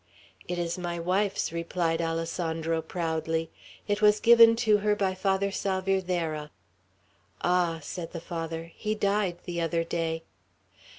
"It is my wife's," replied Alessandro, proudly. "It was given to her by Father Salvierderra." "Ah!" said the Father. "He died the other day."